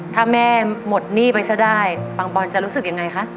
ถ้าแม่หมดหนี้ไปซะได้ปังปอนจะรู้สึกยังไงคะ